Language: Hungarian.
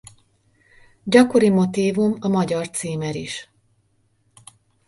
Gyakori motívum a magyar címer is.